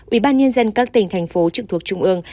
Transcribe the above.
ubnd các tỉnh thành phố trực thuộc trung ương